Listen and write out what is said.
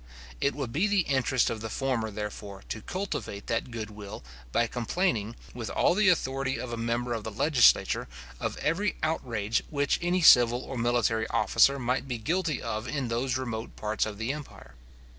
It would be the interest of the former, therefore, to cultivate that good will, by complaining, with all the authority of a member of the legislature, of every outrage which any civil or military officer might be guilty of in those remote parts of the empire.